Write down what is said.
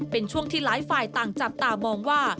เป็นช่วงที่หลายฝ่ายต่างจับตามองว่า